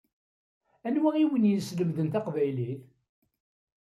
Anwi i wen-yeslemden taqbaylit?